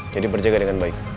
jadi berjaga dengan baik